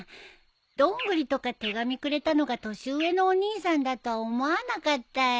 ドングリとか手紙くれたのが年上のお兄さんだとは思わなかったよ。